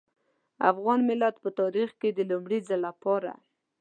افغان ملت په تاريخ کې د لومړي ځل لپاره.